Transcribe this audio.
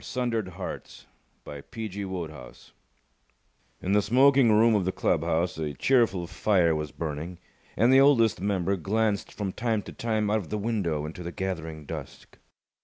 _ 4 Sundered Hearts In the smoking room of the club house a cheerful fire was burning, and the Oldest Member glanced from time to time out of the window into the gathering dusk.